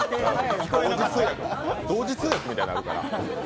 同時通訳みたいになるから。